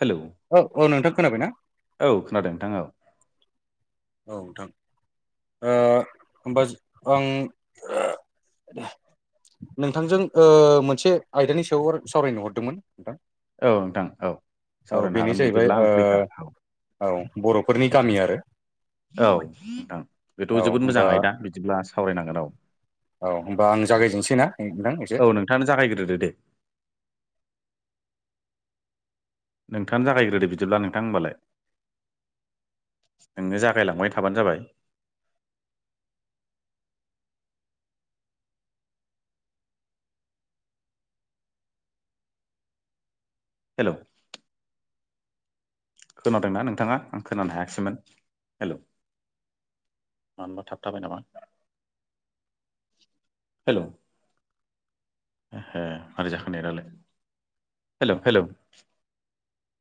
Hello औ औ नोंथां खोनाबायना। औ खोनादों नोंथां औ। औ नोथां ओ ओमबा जो आं। नोंथांजों ओ मोनसे आयदानि सायाव सावरायनो हरदोंमोन। नोंथां औ नोंथां औ औ सावरायनो बेनो हागोन जाहैबाय बिदिब्ला आं ओ फ्रिखा औ औ। बर'फोरनि गामि आरो। औ नोंथां बेथ' औ जोबोद होमबा मोजां आयदा बिदिब्ला सावरायनांगोन औ। औ होमबा आं जागायजेननोसैना नोंथां एसे। औ नोंथाङानो जागायग्रोदो दे नोंथांङानो जागायग्रोदो बिदिब्ला नोंथां होमबालाय। नोंनो जागायलांबाय थाबानो जाबाय। [inaudible] हेलौ। खोनादोंना नोंथाङा आं खोनानो हायाखिसैमोन हेलौ। मानो होनबा थाबथाबाय नामा। हेलौ। एह मारै जाखो नेत आलाय हेलौ हेलौ।